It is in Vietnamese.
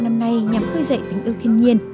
năm nay nhằm khơi dậy tình yêu thiên nhiên